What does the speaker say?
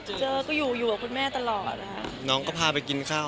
ได้เจอก็อยู่อยู่กับคุณแม่ตลอดน้องก็พากินข้าว